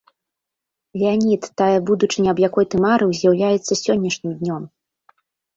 Леанід, тая будучыня, аб якой ты марыў, з'яўляецца сённяшнім днём.